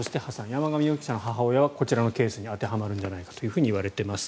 山上容疑者の母親はこちらのケースに当てはまるのではないかといわれています。